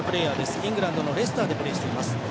イングランドのレスターでプレーをしています。